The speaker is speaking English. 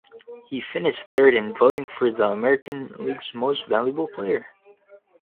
He finished third in voting for the American League's Most Valuable Player.